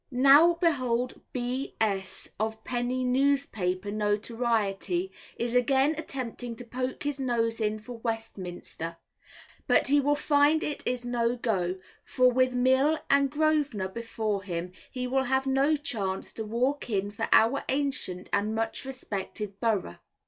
Now behold B S of penny newspaper notoriety is again attempting to poke his nose in for Westminster, but he will find it is no go, for with Mill and Grosvenor before him, he will have no chance to walk in for our ancient and much respected borough.